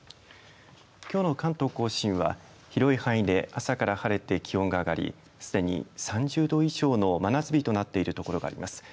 きょうの関東甲信は、広い範囲で朝から晴れて気温が上がりすでに３０度以上の真夏日となっている所があります。